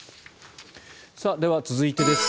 では、続いてです。